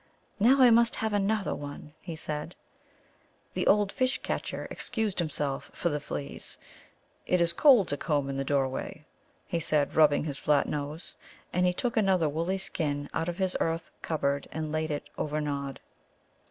"Now I must have another one," he said. The old Fish catcher excused himself for the fleas. "It is cold to comb in the doorway," he said, rubbing his flat nose. And he took another woolly skin out of his earth cupboard and laid it over Nod.